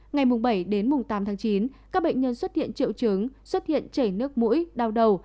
ngày bảy đến mùng tám tháng chín các bệnh nhân xuất hiện triệu chứng xuất hiện chảy nước mũi đau đầu